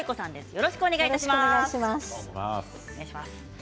よろしくお願いします。